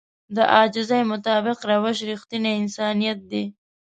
د عاجزي مطابق روش رښتينی انسانيت دی.